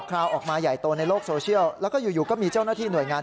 ข่าวออกมาใหญ่โตในโลกโซเชียลแล้วก็อยู่ก็มีเจ้าหน้าที่หน่วยงาน